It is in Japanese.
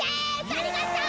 ありがとう！